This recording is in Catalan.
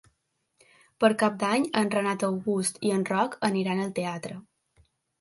Per Cap d'Any en Renat August i en Roc aniran al teatre.